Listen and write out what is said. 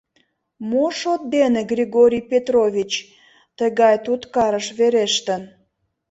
Мо шот дене Григорий Петрович тыгай туткарыш верештын?